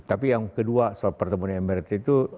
tapi yang kedua soal pertemuan mrt itu